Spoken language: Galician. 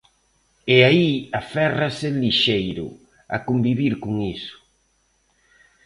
E aí aférrase Lixeiro, a convivir con iso.